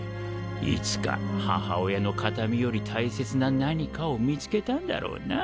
いつか母親の形見より大切な何かを見つけたんだろうな。